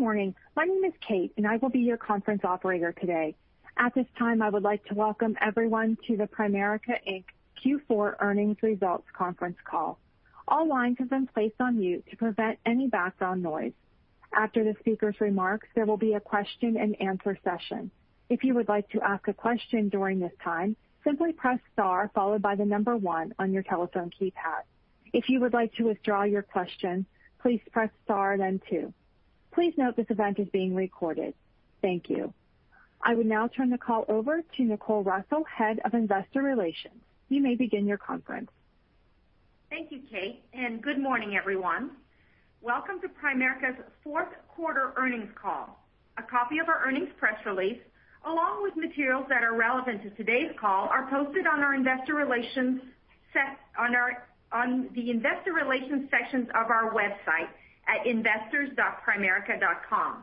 Morning. My name is Kate, and I will be your conference operator today. At this time, I would like to welcome everyone to the Primerica, Inc. Q4 Earnings Results Conference Call. All lines have been placed on mute to prevent any background noise. After the speaker's remarks, there will be a question and answer session. If you would like to ask a question during this time, simply press star followed by the number one on your telephone keypad. If you would like to withdraw your question, please press star then two. Please note this event is being recorded. Thank you. I would now turn the call over to Nicole Russell, Head of Investor Relations. You may begin your conference. Thank you, Kate, and good morning, everyone. Welcome to Primerica's fourth quarter earnings call. A copy of our earnings press release, along with materials that are relevant to today's call, are posted on the Investor Relations sections of our website at investors.primerica.com.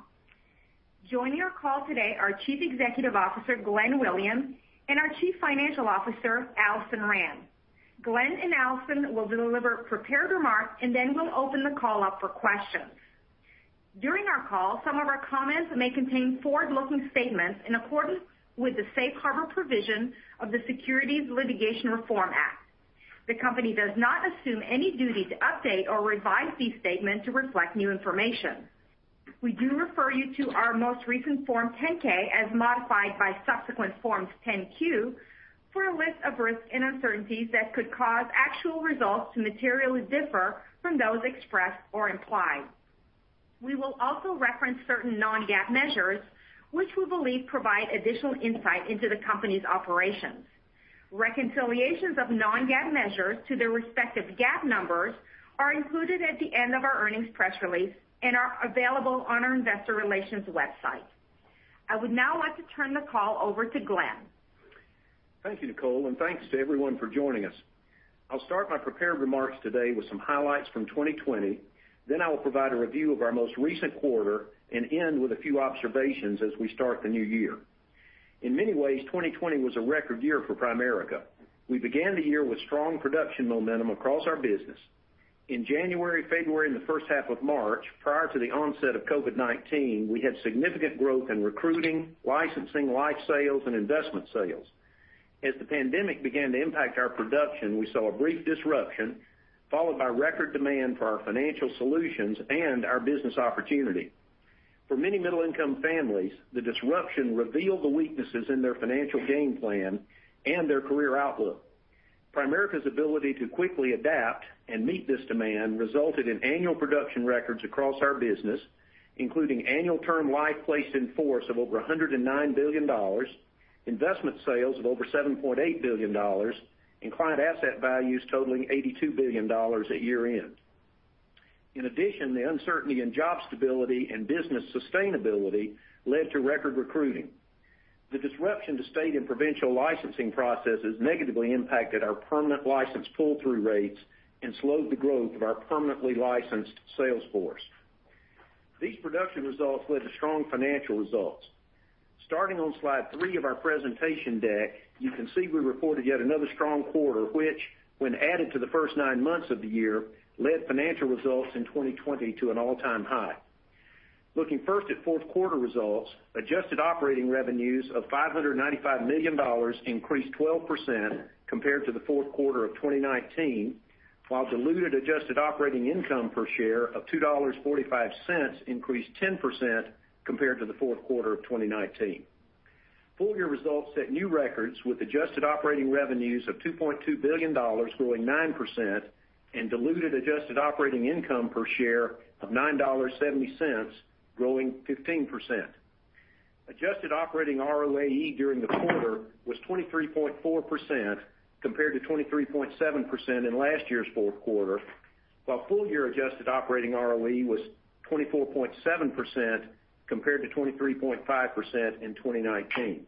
Joining our call today, our Chief Executive Officer, Glenn Williams, and our Chief Financial Officer, Alison Rand. Glenn and Alison will deliver prepared remarks, and then we'll open the call up for questions. During our call, some of our comments may contain forward-looking statements in accordance with the safe harbor provision of the Securities Litigation Reform Act. We do refer you to our most recent Form 10-K, as modified by subsequent Forms 10-Q, for a list of risks and uncertainties that could cause actual results to materially differ from those expressed or implied. We will also reference certain non-GAAP measures which we believe provide additional insight into the company's operations. Reconciliations of non-GAAP measures to their respective GAAP numbers are included at the end of our earnings press release and are available on our Investor Relations website. I would now like to turn the call over to Glenn. Thank you, Nicole, and thanks to everyone for joining us. I'll start my prepared remarks today with some highlights from 2020. Then I will provide a review of our most recent quarter and end with a few observations as we start the new year. In many ways, 2020 was a record year for Primerica. We began the year with strong production momentum across our business. In January, February, and the first half of March, prior to the onset of COVID-19, we had significant growth in recruiting, licensing, life sales, and investment sales. As the pandemic began to impact our production, we saw a brief disruption followed by record demand for our financial solutions and our business opportunity. For many middle-income families, the disruption revealed the weaknesses in their financial game plan and their career outlook. Primerica's ability to quickly adapt and meet this demand resulted in annual production records across our business, including annual Term Life placed in force of over $109 billion, investment sales of over $7.8 billion, and client asset values totaling $82 billion at year-end. In addition, the uncertainty in job stability and business sustainability led to record recruiting. The disruption to state and provincial licensing processes negatively impacted our permanent license pull-through rates and slowed the growth of our permanently licensed sales force. These production results led to strong financial results. Starting on slide three of our presentation deck, you can see we reported yet another strong quarter, which, when added to the first nine months of the year, led financial results in 2020 to an all-time high. Looking first at fourth quarter results, adjusted operating revenues of $595 million increased 12% compared to the fourth quarter of 2019, while diluted adjusted operating income per share of $2.45 increased 10% compared to the fourth quarter of 2019. Full-year results set new records, with adjusted operating revenues of $2.2 billion growing 9% and diluted adjusted operating income per share of $9.70 growing 15%. Adjusted operating ROAE during the quarter was 23.4% compared to 23.7% in last year's fourth quarter, while full-year adjusted operating ROE was 24.7% compared to 23.5% in 2019.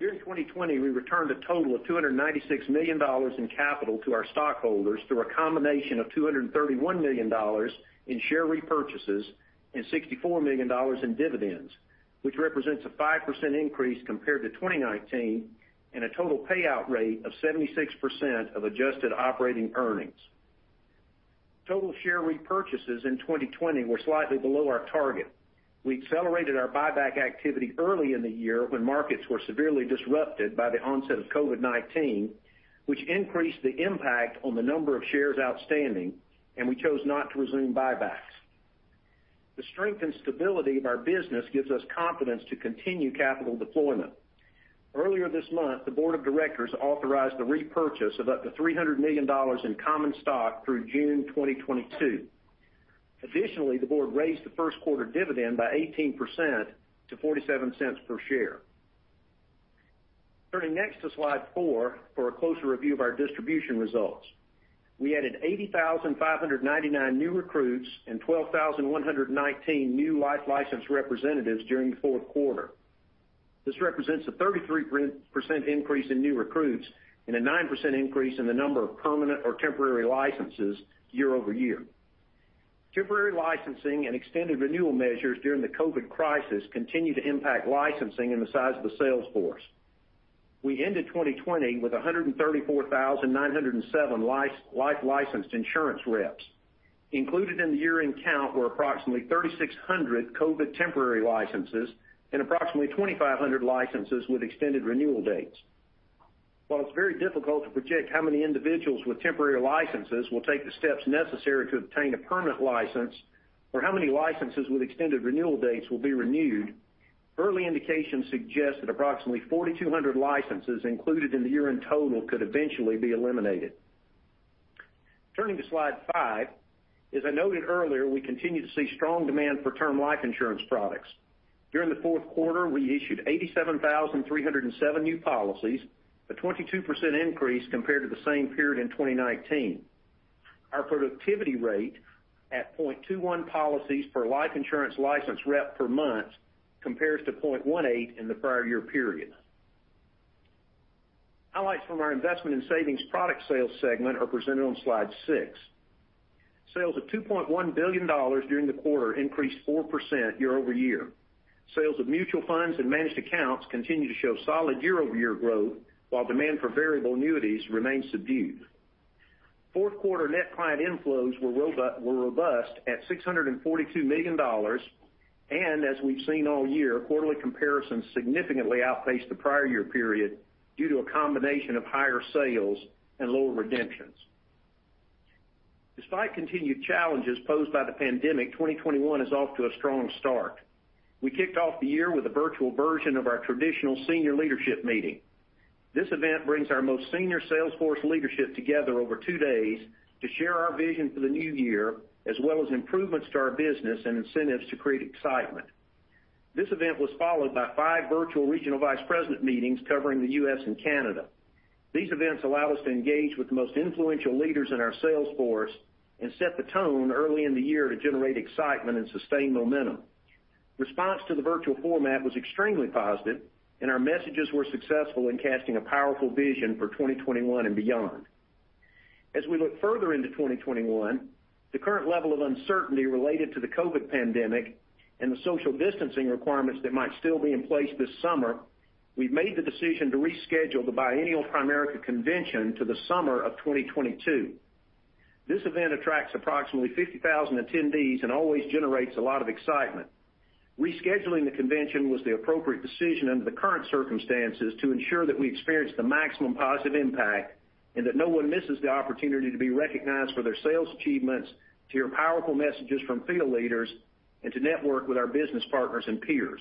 During 2020, we returned a total of $296 million in capital to our stockholders through a combination of $231 million in share repurchases and $64 million in dividends, which represents a 5% increase compared to 2019 and a total payout rate of 76% of adjusted operating earnings. Total share repurchases in 2020 were slightly below our target. We accelerated our buyback activity early in the year when markets were severely disrupted by the onset of COVID-19, which increased the impact on the number of shares outstanding, and we chose not to resume buybacks. The strength and stability of our business gives us confidence to continue capital deployment. Earlier this month, the board of directors authorized the repurchase of up to $300 million in common stock through June 2022. Additionally, the board raised the first quarter dividend by 18% to $0.47 per share. Turning next to slide four for a closer review of our distribution results. We added 80,599 new recruits and 12,119 new life license representatives during the fourth quarter. This represents a 33% increase in new recruits and a 9% increase in the number of permanent or temporary licenses year-over-year. Temporary licensing and extended renewal measures during the COVID crisis continue to impact licensing and the size of the sales force. We ended 2020 with 134,907 life-licensed insurance reps. Included in the year-end count were approximately 3,600 COVID temporary licenses and approximately 2,500 licenses with extended renewal dates. While it's very difficult to project how many individuals with temporary licenses will take the steps necessary to obtain a permanent license, or how many licenses with extended renewal dates will be renewed, early indications suggest that approximately 4,200 licenses included in the year-end total could eventually be eliminated. Turning to slide five. As I noted earlier, we continue to see strong demand for Term Life insurance products. During the fourth quarter, we issued 87,307 new policies, a 22% increase compared to the same period in 2019. Our productivity rate at 0.21 policies per life insurance licensed rep per month compares to 0.18 in the prior year period. Highlights from our investment and savings product sales segment are presented on slide six. Sales of $2.1 billion during the quarter increased 4% year-over-year. Sales of mutual funds and managed accounts continue to show solid year-over-year growth, while demand for variable annuities remains subdued. Fourth quarter net client inflows were robust at $642 million. As we've seen all year, quarterly comparisons significantly outpaced the prior year period due to a combination of higher sales and lower redemptions. Despite continued challenges posed by the pandemic, 2021 is off to a strong start. We kicked off the year with a virtual version of our traditional senior leadership meeting. This event brings our most senior sales force leadership together over 2 days to share our vision for the new year, as well as improvements to our business and incentives to create excitement. This event was followed by 5 virtual regional vice president meetings covering the U.S. and Canada. These events allow us to engage with the most influential leaders in our sales force and set the tone early in the year to generate excitement and sustain momentum. Response to the virtual format was extremely positive. Our messages were successful in casting a powerful vision for 2021 and beyond. As we look further into 2021, the current level of uncertainty related to the COVID pandemic and the social distancing requirements that might still be in place this summer, we've made the decision to reschedule the biennial Primerica convention to the summer of 2022. This event attracts approximately 50,000 attendees. Always generates a lot of excitement. Rescheduling the convention was the appropriate decision under the current circumstances to ensure that we experience the maximum positive impact. That no one misses the opportunity to be recognized for their sales achievements, to hear powerful messages from field leaders, and to network with our business partners and peers.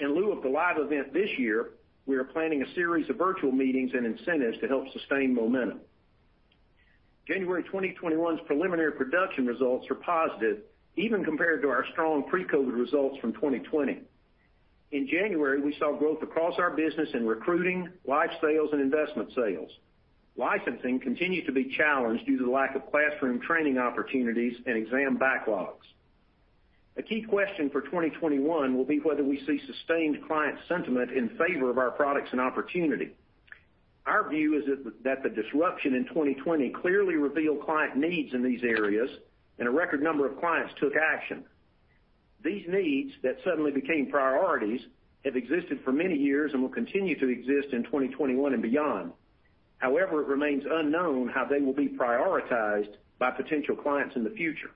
In lieu of the live event this year, we are planning a series of virtual meetings and incentives to help sustain momentum. January 2021's preliminary production results are positive, even compared to our strong pre-COVID results from 2020. In January, we saw growth across our business in recruiting, life sales, and investment sales. Licensing continued to be challenged due to the lack of classroom training opportunities and exam backlogs. A key question for 2021 will be whether we see sustained client sentiment in favor of our products and opportunity. Our view is that the disruption in 2020 clearly revealed client needs in these areas. A record number of clients took action. These needs that suddenly became priorities have existed for many years and will continue to exist in 2021 and beyond. However, it remains unknown how they will be prioritized by potential clients in the future.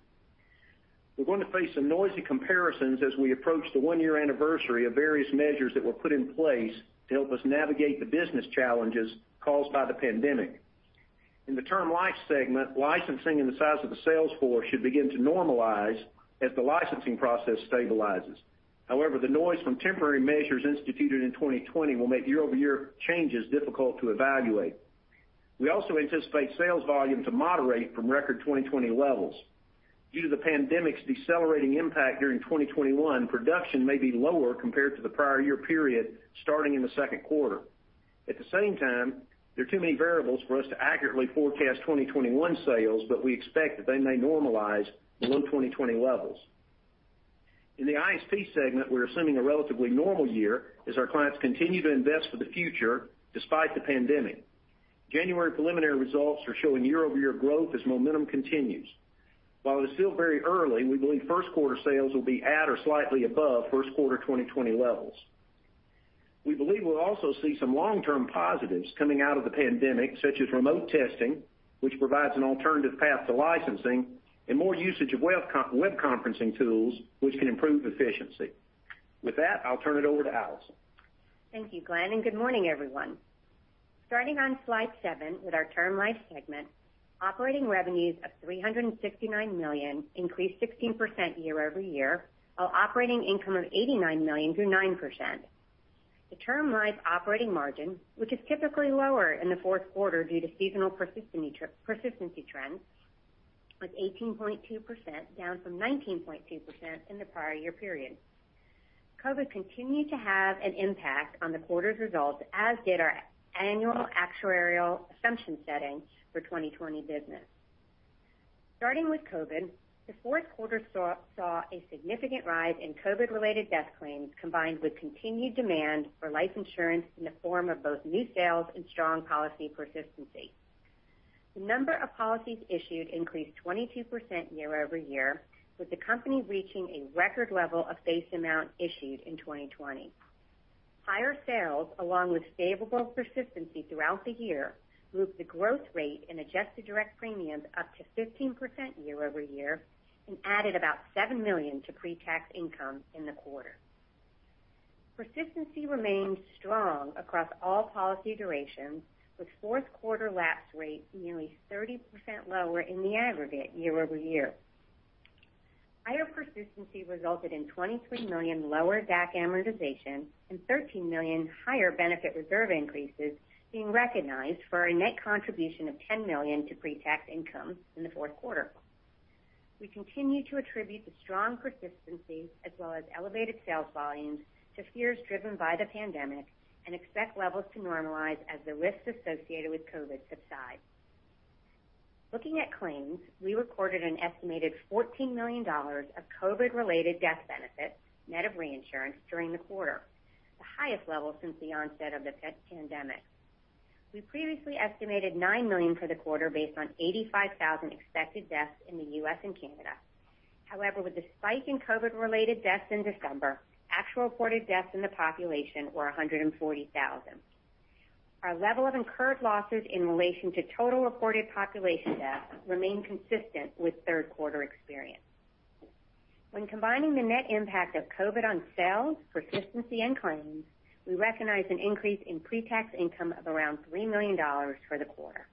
We're going to face some noisy comparisons as we approach the one-year anniversary of various measures that were put in place to help us navigate the business challenges caused by the pandemic. In the Term Life segment, licensing and the size of the sales force should begin to normalize as the licensing process stabilizes. However, the noise from temporary measures instituted in 2020 will make year-over-year changes difficult to evaluate. We also anticipate sales volume to moderate from record 2020 levels. Due to the pandemic's decelerating impact during 2021, production may be lower compared to the prior year period, starting in the second quarter. At the same time, there are too many variables for us to accurately forecast 2021 sales, but we expect that they may normalize below 2020 levels. In the ISP segment, we're assuming a relatively normal year as our clients continue to invest for the future despite the pandemic. January preliminary results are showing year-over-year growth as momentum continues. While it is still very early, we believe first quarter sales will be at or slightly above first quarter 2020 levels. We believe we'll also see some long-term positives coming out of the pandemic, such as remote testing, which provides an alternative path to licensing, and more usage of web conferencing tools, which can improve efficiency. With that, I'll turn it over to Alison. Thank you, Glenn, and good morning, everyone. Starting on slide seven with our Term Life segment, operating revenues of $369 million increased 16% year-over-year, while operating income of $89 million grew 9%. The Term Life operating margin, which is typically lower in the fourth quarter due to seasonal persistency trends, was 18.2%, down from 19.2% in the prior year period. COVID continued to have an impact on the quarter's results, as did our annual actuarial assumption setting for 2020 business. Starting with COVID, the fourth quarter saw a significant rise in COVID-related death claims, combined with continued demand for life insurance in the form of both new sales and strong policy persistency. The number of policies issued increased 22% year-over-year, with the company reaching a record level of face amount issued in 2020. Higher sales, along with stable persistency throughout the year, moved the growth rate in adjusted direct premiums up to 15% year-over-year and added about $7 million to pre-tax income in the quarter. Persistency remains strong across all policy durations, with fourth quarter lapse rates nearly 30% lower in the aggregate year-over-year. Higher persistency resulted in $23 million lower DAC amortization and $13 million higher benefit reserve increases being recognized for a net contribution of $10 million to pre-tax income in the fourth quarter. We continue to attribute the strong persistency as well as elevated sales volumes to fears driven by the pandemic and expect levels to normalize as the risks associated with COVID subside. Looking at claims, we recorded an estimated $14 million of COVID-related death benefits, net of reinsurance during the quarter, the highest level since the onset of the pandemic. We previously estimated $9 million for the quarter based on 85,000 expected deaths in the U.S. and Canada. However, with the spike in COVID-related deaths in December, actual reported deaths in the population were 140,000. Our level of incurred losses in relation to total reported population deaths remain consistent with third quarter experience. When combining the net impact of COVID on sales, persistency, and claims, we recognize an increase in pre-tax income of around $3 million for the quarter.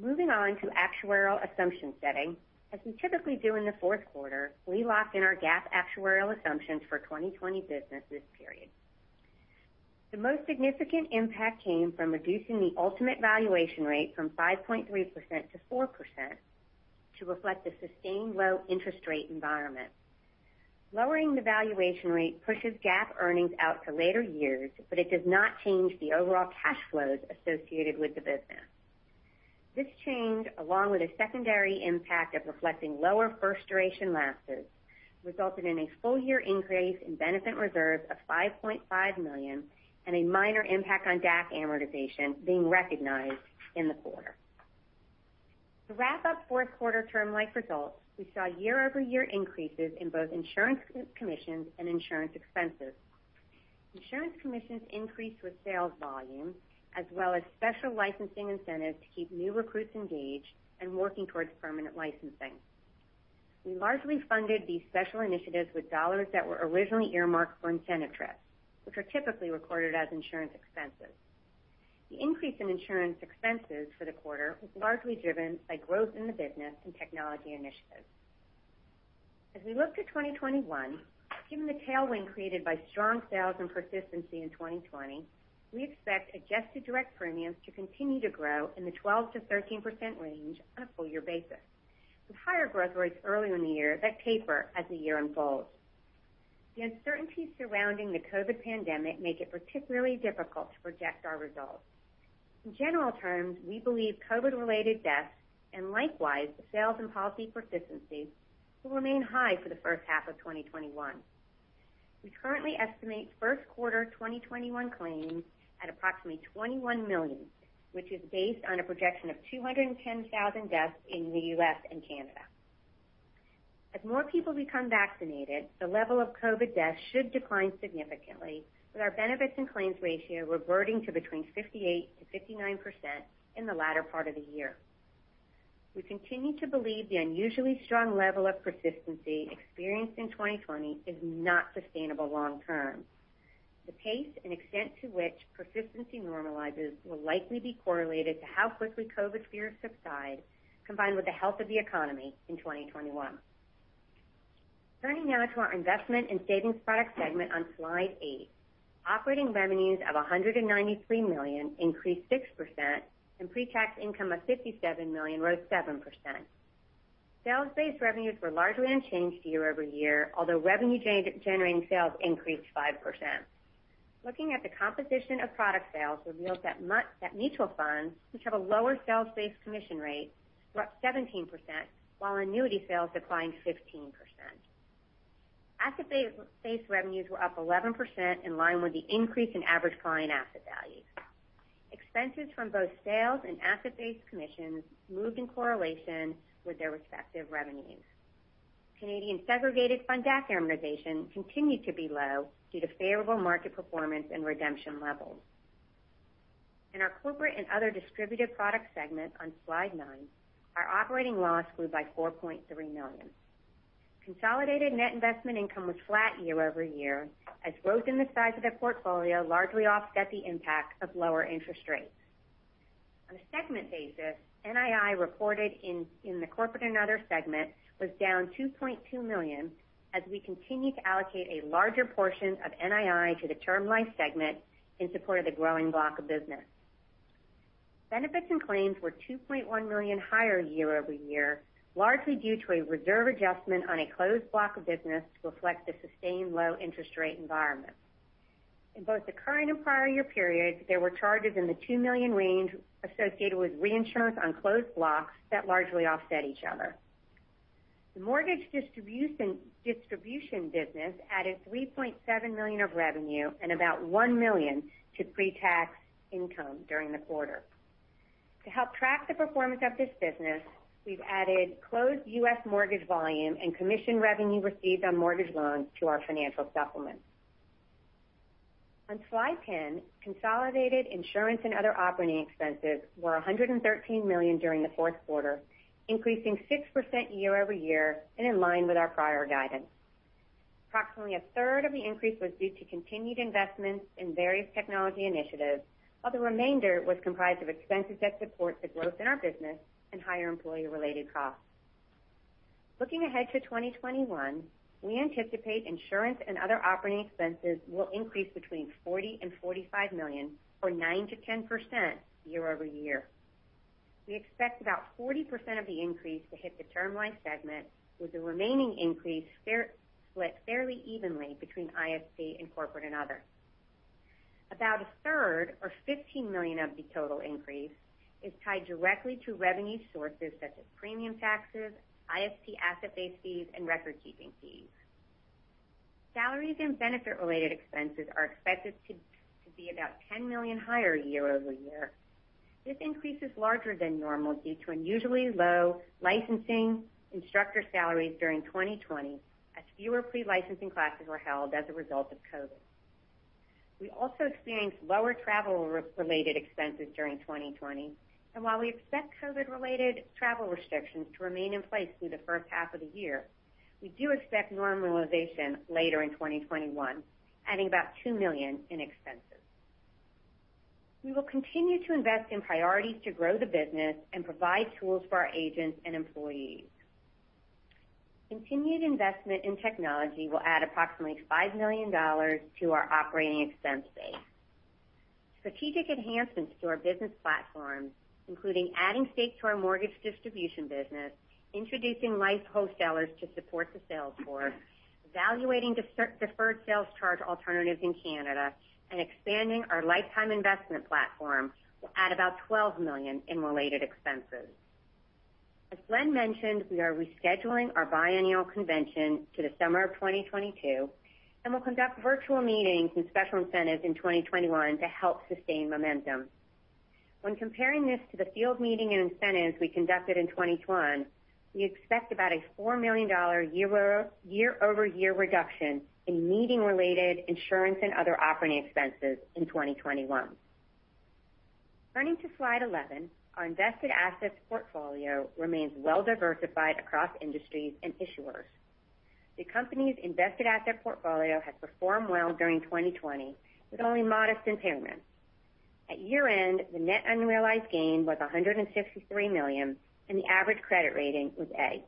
Moving on to actuarial assumption setting. As we typically do in the fourth quarter, we locked in our GAAP actuarial assumptions for 2020 business this period. The most significant impact came from reducing the ultimate valuation rate from 5.3%-4% to reflect the sustained low interest rate environment. Lowering the valuation rate pushes GAAP earnings out to later years, but it does not change the overall cash flows associated with the business. This change, along with a secondary impact of reflecting lower first duration lapses, resulted in a full-year increase in benefit reserves of $5.5 million and a minor impact on DAC amortization being recognized in the quarter. To wrap up fourth quarter Term Life results, we saw year-over-year increases in both insurance commissions and insurance expenses. Insurance commissions increased with sales volume, as well as special licensing incentives to keep new recruits engaged and working towards permanent licensing. We largely funded these special initiatives with dollars that were originally earmarked for incentive trips, which are typically recorded as insurance expenses. The increase in insurance expenses for the quarter was largely driven by growth in the business and technology initiatives. As we look to 2021, given the tailwind created by strong sales and persistency in 2020, we expect adjusted direct premiums to continue to grow in the 12%-13% range on a full year basis, with higher growth rates early in the year that taper as the year unfolds. The uncertainty surrounding the COVID pandemic make it particularly difficult to project our results. In general terms, we believe COVID-related deaths, and likewise, the sales and policy persistency, will remain high for the first half of 2021. We currently estimate first quarter 2021 claims at approximately $21 million, which is based on a projection of 210,000 deaths in the U.S. and Canada. As more people become vaccinated, the level of COVID deaths should decline significantly, with our benefits and claims ratio reverting to between 58%-59% in the latter part of the year. We continue to believe the unusually strong level of persistency experienced in 2020 is not sustainable long term. The pace and extent to which persistency normalizes will likely be correlated to how quickly COVID fears subside, combined with the health of the economy in 2021. Turning now to our investment and savings product segment on slide eight, operating revenues of $193 million increased 6%, and pre-tax income of $57 million rose 7%. Sales-based revenues were largely unchanged year-over-year, although revenue-generating sales increased 5%. Looking at the composition of product sales revealed that mutual funds, which have a lower sales-based commission rate, were up 17%, while annuity sales declined 15%. Asset-based revenues were up 11%, in line with the increase in average client asset value. Expenses from both sales and asset-based commissions moved in correlation with their respective revenues. Canadian segregated fund DAC amortization continued to be low due to favorable market performance and redemption levels. In our Corporate and other Distributed Product segment on slide nine, our operating loss grew by $4.3 million. Consolidated net investment income was flat year-over-year as growth in the size of the portfolio largely offset the impact of lower interest rates. On a segment basis, NII reported in the corporate and other segment was down $2.2 million as we continue to allocate a larger portion of NII to the Term Life segment in support of the growing block of business. Benefits and claims were $2.1 million higher year-over-year, largely due to a reserve adjustment on a closed block of business to reflect the sustained low interest rate environment. In both the current and prior year periods, there were charges in the $2 million range associated with reinsurance on closed blocks that largely offset each other. The mortgage distribution business added $3.7 million of revenue and about $1 million to pre-tax income during the quarter. To help track the performance of this business, we've added closed U.S. mortgage volume and commission revenue received on mortgage loans to our financial supplement. On slide 10, consolidated insurance and other operating expenses were $113 million during the fourth quarter, increasing 6% year-over-year and in line with our prior guidance. Approximately a third of the increase was due to continued investments in various technology initiatives, while the remainder was comprised of expenses that support the growth in our business and higher employee-related costs. Looking ahead to 2021, we anticipate insurance and other operating expenses will increase between $40 million and $45 million, or 9%-10% year-over-year. We expect about 40% of the increase to hit the Term Life segment, with the remaining increase split fairly evenly between ISP and Corporate and Other. About a third or $15 million of the total increase is tied directly to revenue sources such as premium taxes, ISP asset-based fees, and record-keeping fees. Salaries and benefit-related expenses are expected to be about $10 million higher year-over-year. This increase is larger than normal due to unusually low licensing instructor salaries during 2020, as fewer pre-licensing classes were held as a result of COVID-19. We also experienced lower travel-related expenses during 2020, and while we expect COVID-19-related travel restrictions to remain in place through the first half of the year, we do expect normalization later in 2021, adding about $2 million in expenses. We will continue to invest in priorities to grow the business and provide tools for our agents and employees. Continued investment in technology will add approximately $5 million to our operating expense base. Strategic enhancements to our business platforms, including adding stake to our mortgage distribution business, introducing life wholesalers to support the sales force, evaluating deferred sales charge alternatives in Canada, and expanding our Lifetime Investment Platform will add about $12 million in related expenses. As Glenn mentioned, we are rescheduling our biennial convention to the summer of 2022, and will conduct virtual meetings and special incentives in 2021 to help sustain momentum. When comparing this to the field meeting and incentives we conducted in 2021, we expect about a $4 million year-over-year reduction in meeting-related insurance and other operating expenses in 2021. Turning to slide 11, our invested assets portfolio remains well diversified across industries and issuers. The company's invested asset portfolio has performed well during 2020 with only modest impairment. At year-end, the net unrealized gain was $163 million and the average credit rating was A.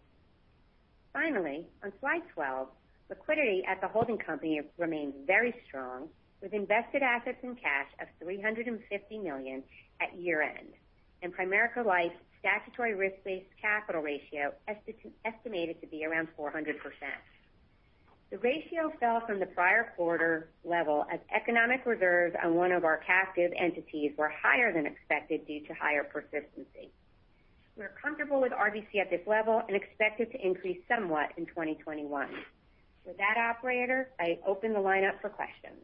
Finally, on slide 12, liquidity at the holding company remains very strong with invested assets and cash of $350 million at year-end, and Primerica Life statutory risk-based capital ratio estimated to be around 400%. The ratio fell from the prior quarter level as economic reserves on one of our captive entities were higher than expected due to higher persistency. We are comfortable with RBC at this level and expect it to increase somewhat in 2021. With that, operator, I open the line up for questions.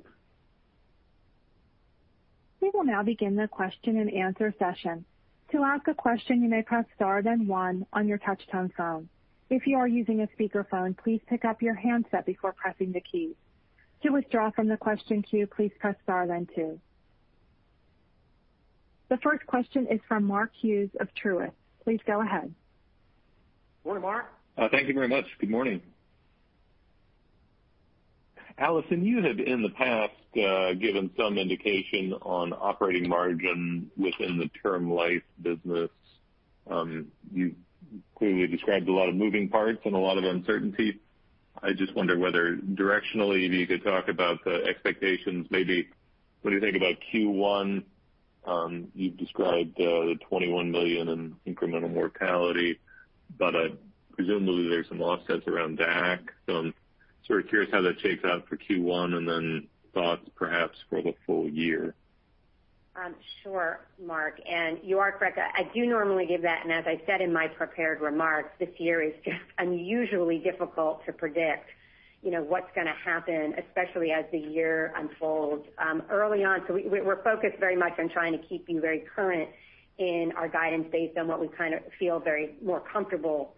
We will now begin the question and answer session. To ask a question, you may press star then one on your touch-tone phone. If you are using a speakerphone, please pick up your handset before pressing the keys. To withdraw from the question queue, please press star then two. The first question is from Mark Hughes of Truist. Please go ahead. Good morning, Mark. Thank you very much. Good morning. Alison, you have in the past, given some indication on operating margin within the Term Life business. You clearly described a lot of moving parts and a lot of uncertainty. I just wonder whether directionally, if you could talk about the expectations, maybe what do you think about Q1? You've described the $21 million in incremental mortality, but presumably there's some offsets around DAC. I'm curious how that shakes out for Q1, and then thoughts perhaps for the full year. Sure, Mark. You are correct. I do normally give that. As I said in my prepared remarks, this year is just unusually difficult to predict what's going to happen, especially as the year unfolds. Early on, we're focused very much on trying to keep you very current in our guidance based on what we feel very more comfortable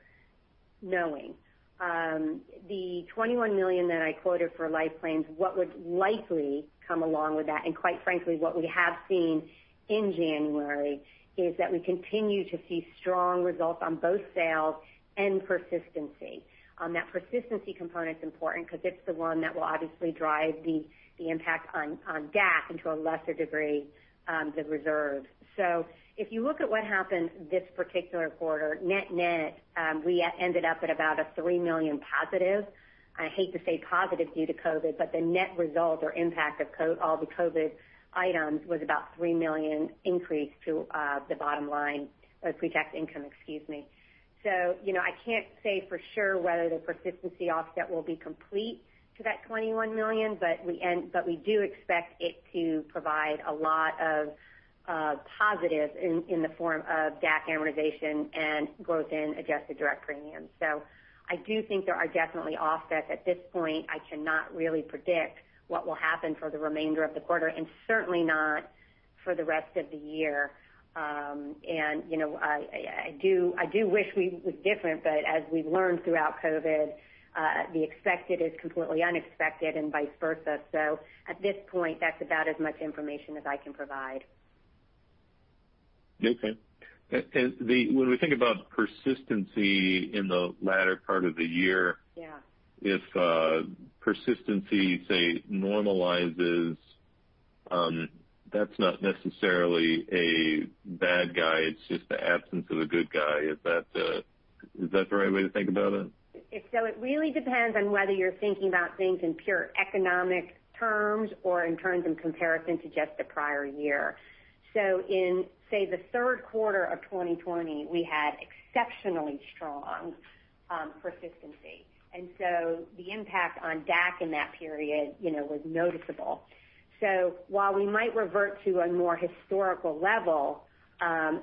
knowing. The $21 million that I quoted for life claims, what would likely come along with that, and quite frankly, what we have seen in January, is that we continue to see strong results on both sales and persistency. That persistency component's important because it's the one that will obviously drive the impact on DAC, and to a lesser degree, the reserve. If you look at what happened this particular quarter, net net, we ended up at about a $3 million positive. I hate to say positive due to COVID, but the net result or impact of all the COVID items was about $3 million increase to the bottom line or pre-tax income, excuse me. I can't say for sure whether the persistency offset will be complete to that $21 million, but we do expect it to provide a lot of positives in the form of DAC amortization and growth in adjusted direct premiums. I do think there are definitely offsets. At this point, I cannot really predict what will happen for the remainder of the quarter and certainly not For the rest of the year. I do wish it was different, but as we've learned throughout COVID, the expected is completely unexpected and vice versa. At this point, that's about as much information as I can provide. Okay. When we think about persistency in the latter part of the year- Yeah if persistency, say, normalizes, that's not necessarily a bad guy, it's just the absence of a good guy. Is that the right way to think about it? It really depends on whether you're thinking about things in pure economic terms or in terms in comparison to just the prior year. In, say, the third quarter of 2020, we had exceptionally strong persistency. The impact on DAC in that period was noticeable. While we might revert to a more historical level,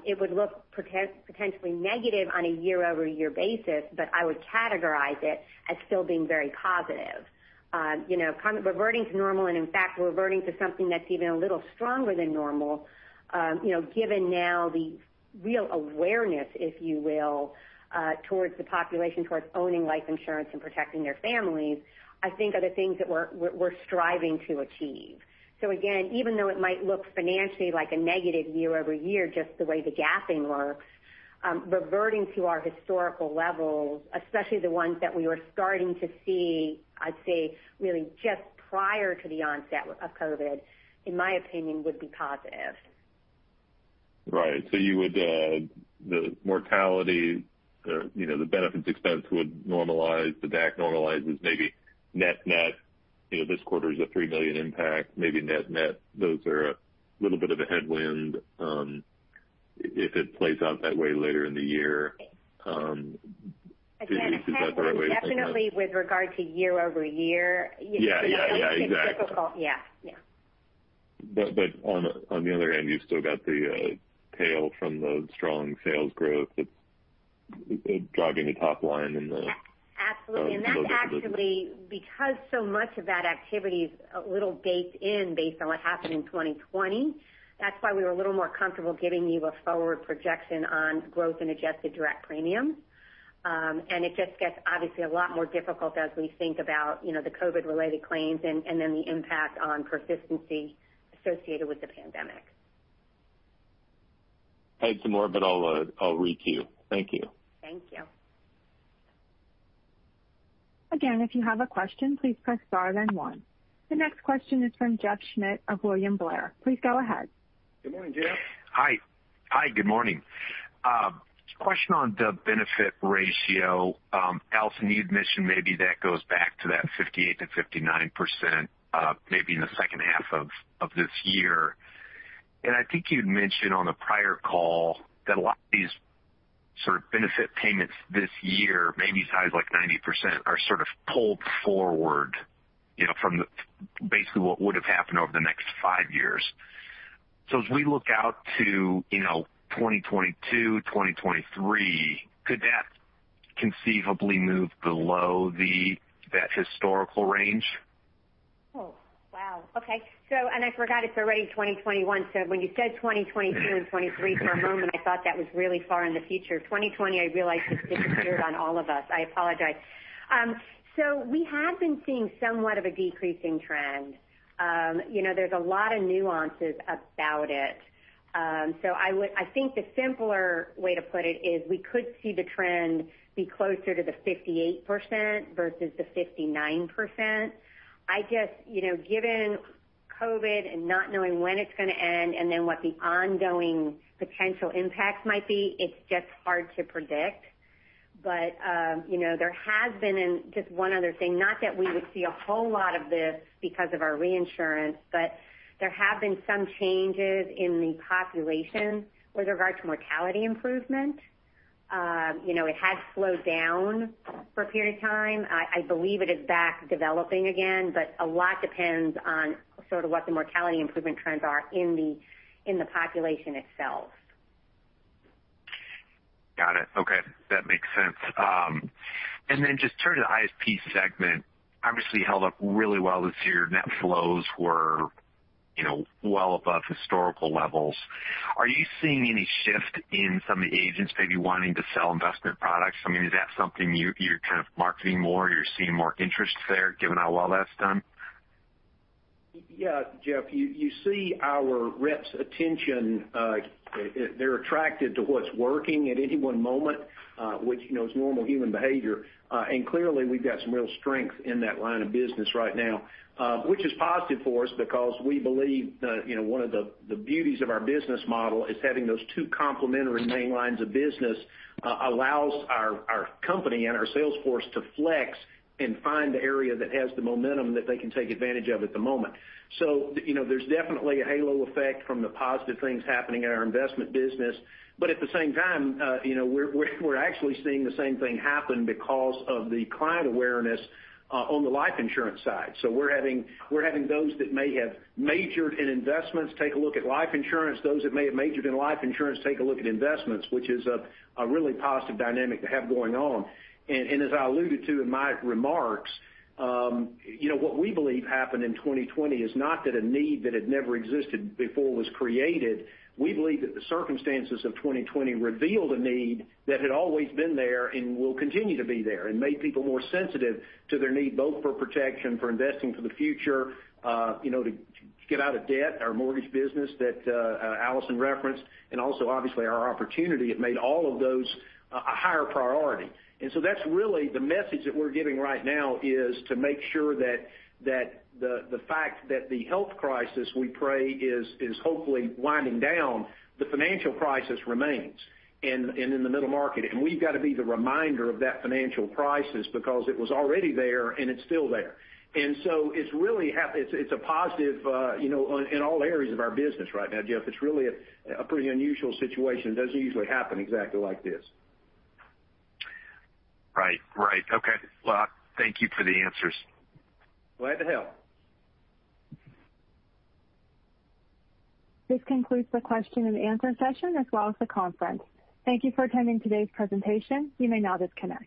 it would look potentially negative on a year-over-year basis, but I would categorize it as still being very positive. Reverting to normal and, in fact, reverting to something that's even a little stronger than normal, given now the real awareness, if you will, towards the population, towards owning life insurance and protecting their families, I think are the things that we're striving to achieve. Again, even though it might look financially like a negative year-over-year, just the way the gapping works, reverting to our historical levels, especially the ones that we were starting to see, I'd say, really just prior to the onset of COVID-19, in my opinion, would be positive. Right. The mortality, the benefits expense would normalize, the DAC normalizes, maybe net-net, this quarter is a $3 million impact, maybe net-net, those are a little bit of a headwind if it plays out that way later in the year. Is that the right way to think of that? A headwind definitely with regard to year-over-year. Yeah, exactly. It gets difficult. Yeah. On the other hand, you've still got the tail from the strong sales growth that's driving the top line in the- Absolutely. -books of the business. That actually, because so much of that activity is a little baked in based on what happened in 2020, that's why we were a little more comfortable giving you a forward projection on growth and adjusted direct premium. It just gets obviously a lot more difficult as we think about the COVID-related claims and then the impact on persistency associated with the pandemic. I had some more, but I'll re-queue. Thank you. Thank you. If you have a question, please press star then one. The next question is from Jeff Schmitt of William Blair. Please go ahead. Good morning, Jeff. Hi. Good morning. Question on the benefit ratio. Alison, you had mentioned maybe that goes back to that 58%-59%, maybe in the second half of this year. I think you'd mentioned on the prior call that a lot of these sort of benefit payments this year, maybe size like 90%, are sort of pulled forward from basically what would have happened over the next five years. As we look out to 2022, 2023, could that conceivably move below that historical range? Oh, wow. Okay. I forgot it's already 2021. When you said 2022 and 2023, for a moment, I thought that was really far in the future. 2020, I realize it's been weird on all of us. I apologize. We have been seeing somewhat of a decreasing trend. There's a lot of nuances about it. I think the simpler way to put it is we could see the trend be closer to the 58% versus the 59%. I guess, given COVID and not knowing when it's going to end and then what the ongoing potential impacts might be, it's just hard to predict. There has been, and just one other thing, not that we would see a whole lot of this because of our reinsurance, there have been some changes in the population with regard to mortality improvement. It had slowed down for a period of time. I believe it is back developing again, but a lot depends on sort of what the mortality improvement trends are in the population itself. Got it. Okay. That makes sense. Then just turn to the ISP segment, obviously held up really well this year. Net flows were well above historical levels. Are you seeing any shift in some of the agents maybe wanting to sell investment products? I mean, is that something you're kind of marketing more, you're seeing more interest there given how well that's done? Yeah, Jeff, you see our reps' attention, they're attracted to what's working at any one moment, which is normal human behavior. Clearly we've got some real strength in that line of business right now, which is positive for us because we believe one of the beauties of our business model is having those two complementary main lines of business allows our company and our sales force to flex and find the area that has the momentum that they can take advantage of at the moment. There's definitely a halo effect from the positive things happening in our investment business. At the same time, we're actually seeing the same thing happen because of the client awareness on the life insurance side. We're having those that may have majored in investments take a look at life insurance, those that may have majored in life insurance take a look at investments, which is a really positive dynamic to have going on. As I alluded to in my remarks, what we believe happened in 2020 is not that a need that had never existed before was created. We believe that the circumstances of 2020 revealed a need that had always been there and will continue to be there and made people more sensitive to their need both for protection, for investing for the future, to get out of debt, our mortgage business that Alison referenced, and also obviously our opportunity. It made all of those a higher priority. That's really the message that we're giving right now is to make sure that the fact that the health crisis we pray is hopefully winding down, the financial crisis remains in the middle market. We've got to be the reminder of that financial crisis because it was already there and it's still there. It's a positive in all areas of our business right now, Jeff. It's really a pretty unusual situation. It doesn't usually happen exactly like this. Right. Okay. Well, thank you for the answers. Glad to help. This concludes the question and answer session as well as the conference. Thank you for attending today's presentation. You may now disconnect.